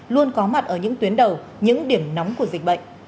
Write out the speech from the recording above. luôn có mặt ở những tuyến đầu những điểm nóng của dịch bệnh